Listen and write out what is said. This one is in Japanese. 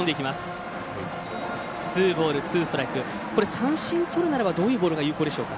三振とるならばどういうボールが有効でしょうか。